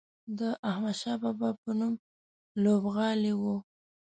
د احمدشاه بابا په نوم لوبغالی و.